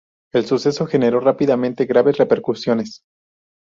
El suceso generó rápidamente graves repercusiones.